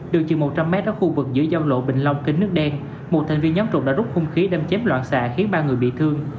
đường chừng một trăm linh m ở khu vực giữa giao lộ bình long kênh nước đen một thành viên nhóm trộm đã rút khung khí đâm chép loạn xạ khiến ba người bị thương